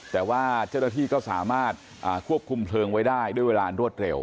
แต่ว่าเจ้าหน้าที่ก็สามารถควบคุมเพลิงไว้ได้ด้วยเวลารวดเร็ว